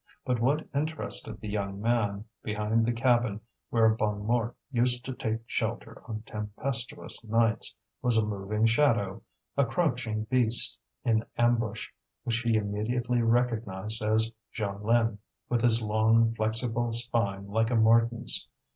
But what interested the young man, behind the cabin where Bonnemort used to take shelter on tempestuous nights, was a moving shadow a crouching beast in ambush which he immediately recognized as Jeanlin, with his long flexible spine like a marten's.